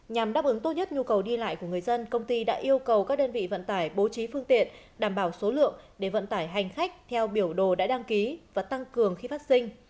nhằm đáp ứng tốt nhất nhu cầu đi lại của người dân công ty đã yêu cầu các đơn vị vận tải bố trí phương tiện đảm bảo số lượng để vận tải hành khách theo biểu đồ đã đăng ký và tăng cường khi phát sinh